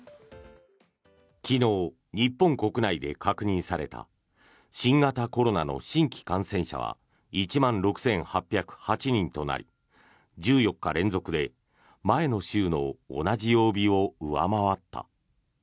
昨日、日本国内で確認された新型コロナの新規感染者は１万６８０８人となり１４日連続で前の週の同じ曜日を上回った。